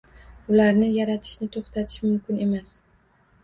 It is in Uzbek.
Ularni yaratishni to'xtatish mumkin emas